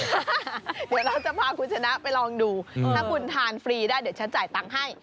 เดี๋ยวเราจะพาคุณชนะไปลองดูถ้าคุณทานฟรีได้เดี๋ยวฉันจ่ายตังค์ให้